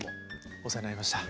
お世話になりました。